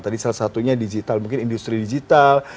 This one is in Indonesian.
tadi salah satunya digital mungkin industri digital